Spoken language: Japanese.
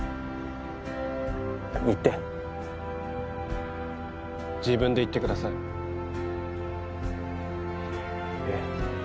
言って自分で言ってくださいえっ？